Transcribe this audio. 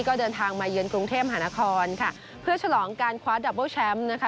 ก็เดินทางมาเยือนกรุงเทพหานครค่ะเพื่อฉลองการคว้าดับเบิ้ลแชมป์นะคะ